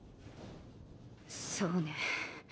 そうね。